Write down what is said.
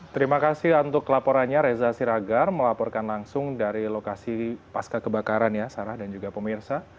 terima kasih untuk laporannya reza siragar melaporkan langsung dari lokasi pasca kebakaran ya sarah dan juga pemirsa